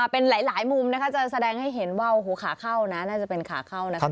เป็นหลายมุมนะคะจะแสดงให้เห็นว่าขาเข้านะน่าจะเป็นขาเข้านะครับ